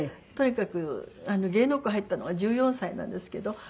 とにかく芸能界に入ったのは１４歳なんですけど。